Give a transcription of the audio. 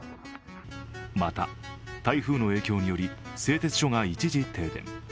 また、台風の影響により製鉄所が一時停電。